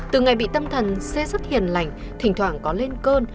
từ ngày bị tâm thần xe rất hiền lành thỉnh thoảng có lên cơn